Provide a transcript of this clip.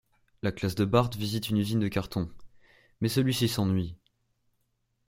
La classe de Bart visite une usine de cartons, mais celui-ci s'ennuie.